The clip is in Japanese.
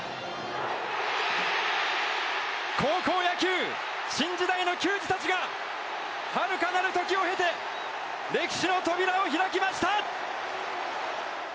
高校野球、新時代の球児たちが遥かなる時を経て歴史の扉を開きました！